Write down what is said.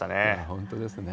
本当ですね。